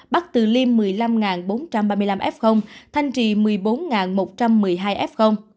bắc từ liêm một mươi năm bốn trăm ba mươi năm f thanh trì một mươi bốn một trăm một mươi hai f